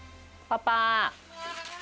パパ！